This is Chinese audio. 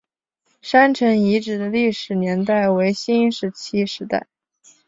山城遗址的历史年代为新石器时代。